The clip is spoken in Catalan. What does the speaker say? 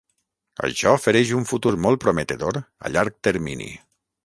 Això ofereix un futur molt prometedor a llarg termini.